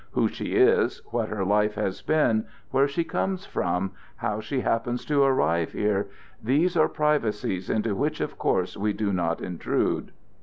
Who she is, what her life has been, where she comes from, how she happens to arrive here these are privacies into which of course we do not intrude.